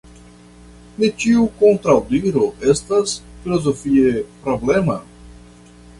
Ne ĉiu kontraŭdiro estas filozofie problema.